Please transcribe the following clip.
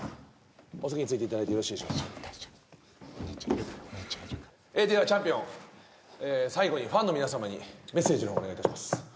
お席についていただいてよろしいでしょうかお兄ちゃんいるからお兄ちゃんいるからではチャンピオン最後にファンの皆様にメッセージの方お願いいたします